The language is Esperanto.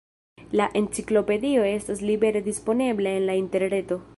La enciklopedio estas libere disponebla en la interreto.